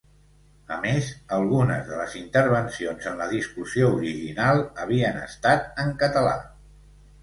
A més, algunes de les intervencions en la discussió original havien estat en català.